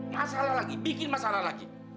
masalah lagi bikin masalah lagi